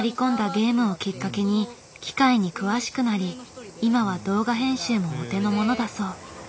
ゲームをきっかけに機械に詳しくなり今は動画編集もお手の物だそう。